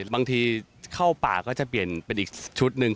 บางทีเข้าป่าก็จะเปลี่ยนเป็นอีกชุดหนึ่ง